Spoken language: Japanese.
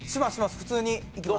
普通に行きます。